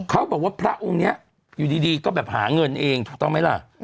เขาบอกว่าพระองค์นี้อยู่ดีก็แบบหาเงินเองถูกต้องไหมล่ะ